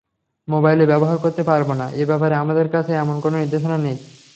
Mobile ব্যবহার করতে পারব না—এ ব্যাপারে আমাদের কাছে এমন কোনো নির্দেশনা নেই।